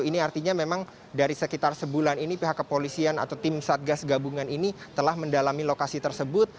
ini artinya memang dari sekitar sebulan ini pihak kepolisian atau tim satgas gabungan ini telah mendalami lokasi tersebut